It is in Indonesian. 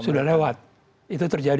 sudah lewat itu terjadi empat sebelas